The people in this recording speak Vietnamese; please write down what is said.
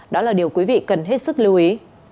đó là điều quý vị cần hết sức lưu ý